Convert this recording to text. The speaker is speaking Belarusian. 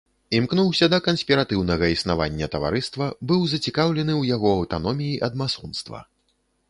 Імкнуўся да канспіратыўнага існавання таварыства, быў зацікаўлены ў яго аўтаноміі ад масонства.